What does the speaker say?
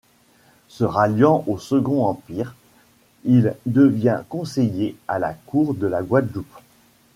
Se ralliant au Second Empire, il devient conseiller à la cour de la Guadeloupe.